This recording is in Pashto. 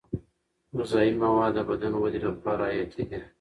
غذايي مواد د بدن ودې لپاره حیاتي دي.